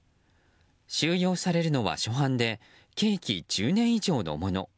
収容されるのは初犯で刑期１０年以上のもの。